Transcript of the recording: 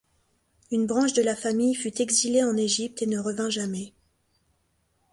Une branche de la famille fut exilée en Égypte et ne revint jamais.